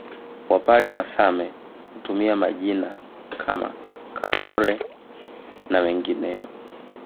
Wapare wa Same hutumia majina kama Kakore na mengineyo